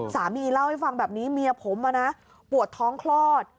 สามีเล่าให้ฟังแบบนี้เมียผมปวดท้องคลอด